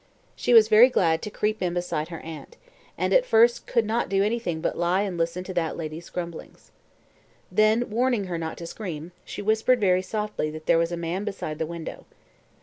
She was very glad to creep in beside her aunt, and at first could not do anything but lie and listen to that lady's grumblings. Then warning her not to scream, she whispered very softly that there was a man beside the window.